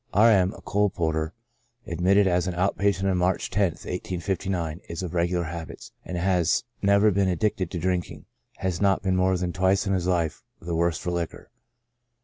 R. M —, a coal porter, admitted as out patient on March loth, 1859, ^^°^ regular habits, and has never been ad dicted to drinking ; has not been more than twice in his life the worse for liquor.